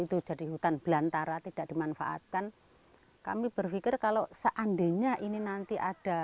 itu jadi hutan belantara tidak dimanfaatkan kami berpikir kalau seandainya ini nanti ada